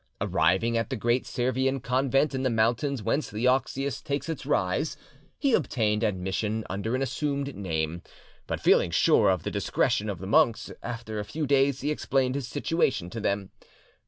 Arriving at the great Servian convent in the mountains whence the Axius takes its rise, he obtained admission under an assumed name. But feeling sure of the discretion of the monks, after a few days he explained his situation to them.